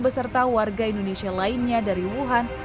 beserta warga indonesia lainnya dari wuhan